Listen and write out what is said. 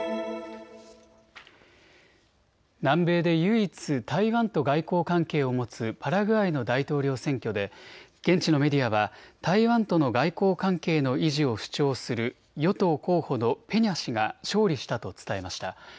南米で唯一、台湾と外交関係を持つパラグアイの大統領選挙で現地のメディアは台湾との外交関係の維持を主張する与党候補のペニャ氏が勝利したと伝えました。